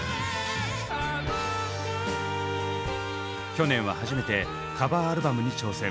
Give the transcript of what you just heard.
去年は初めてカバーアルバムに挑戦。